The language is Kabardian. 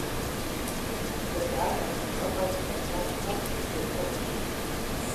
Быдагъэ, лӏыгъэ зыхэдгъэлъмэ, дытекӏуэнущ.